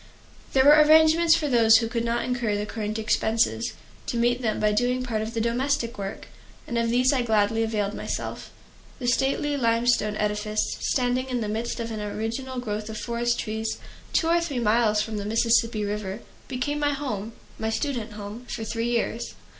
There were arrangements for those who could not incur the current expenses, to meet them by doing part of the domestic work, and of these I gladly availed myself. The stately limestone edifice, standing in the midst of an original growth of forest trees, two or three miles from the Mississippi River, became my home my student home for three years.